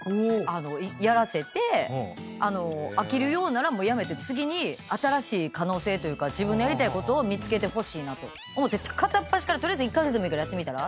飽きるようならもうやめて次に新しい可能性というか自分のやりたいことを見つけてほしいなと思って片っ端から１カ月でもいいからやってみたら？